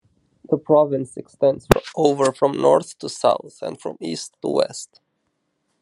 The province extends over from north to south, and from east to west.